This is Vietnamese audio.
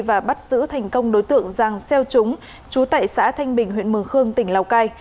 và bắt giữ thành công đối tượng giàng xeo trúng chú tại xã thanh bình huyện mường khương tỉnh lào cai